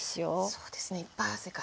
そうですねいっぱい汗かいて。